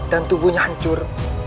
dan tubuhnya hancur